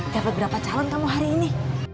dapat berapa calon kamu hari ini